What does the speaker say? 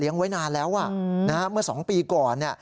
เลี้ยงไว้นานแล้วอ่ะอืมนะฮะเมื่อสองปีก่อนเนี่ย